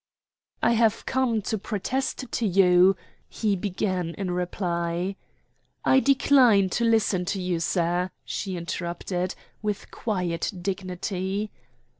"I have come to protest to you " he began in reply. "I decline to listen to you, sir," she interrupted, with quiet dignity.